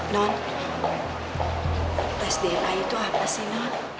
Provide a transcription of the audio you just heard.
non tes dna itu apa sih non